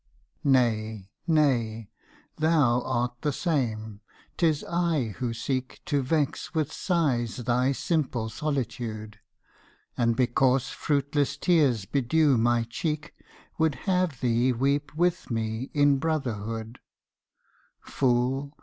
Nay, nay, thou art the same: 'tis I who seek To vex with sighs thy simple solitude, And because fruitless tears bedew my cheek Would have thee weep with me in brotherhood; Fool!